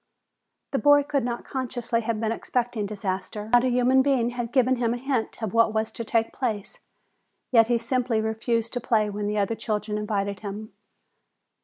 The boy could not consciously have been expecting disaster. Not a human being had given him a hint of what was to take place. Yet he simply refused to play when the other children invited him.